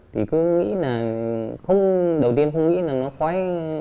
thì cứ nghĩ là không đầu tiên không nghĩ là nó khói